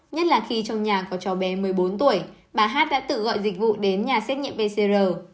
nhất là khi trong nhà có cháu bé một mươi bốn tuổi bà hát đã tự gọi dịch vụ đến nhà xét nghiệm pcr